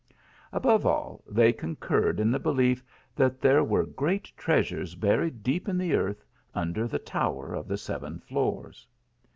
Above all, they concurred in the belief that there were great treasures buried deep in the earth under the tower of the Seven Floors.